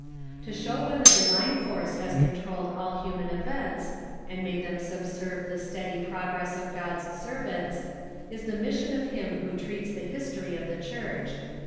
To show when the divine force has controlled all human events, and made them subserve the steady progress of God's servants, is the mission of him who treats the history of the Church.